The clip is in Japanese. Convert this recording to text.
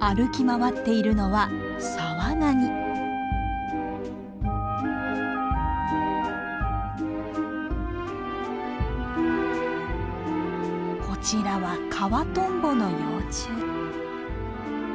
歩き回っているのはこちらはカワトンボの幼虫。